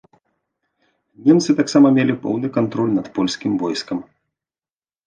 Немцы таксама мелі поўны кантроль над польскім войскам.